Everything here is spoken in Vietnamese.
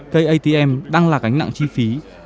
katm đang là gánh nặng chi phí